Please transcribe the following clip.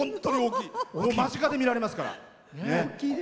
間近で見られますから。